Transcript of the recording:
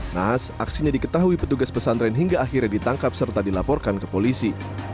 nahas aksinya diketahui petugas pesantren hingga akhirnya ditangkap serta dilaporkan ke polisi